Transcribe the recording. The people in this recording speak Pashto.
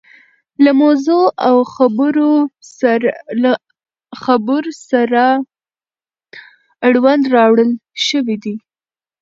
له موضوع او خبور سره اړوند راوړل شوي دي.